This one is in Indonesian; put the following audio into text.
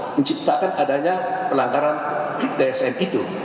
menciptakan adanya pelanggaran dsm itu